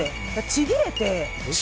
ちぎれて。